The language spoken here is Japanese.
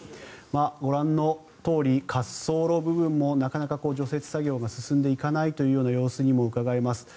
ご覧のとおり滑走路部分もなかなか除雪作業が進んでいかないというような様子にもうかがえます。